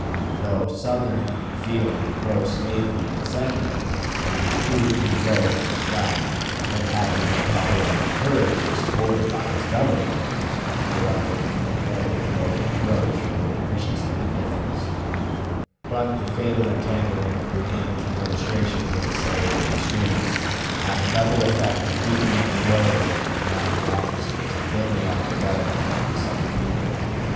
Though Southern in feeling and pro slavery in sentiment, he was true to his oath and his flag; and had he been properly encouraged and supported by his Government, would evidently have merited no reproach for inefficiency or indifference. 1860. But the fatal entanglement of Buchanan's Administration with the slavery extremists had the double effect of weakening loyalty in army officers and building up rebellion among the Southern people.